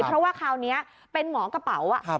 เพราะว่าคราวนี้เป็นหมอกระเป๋า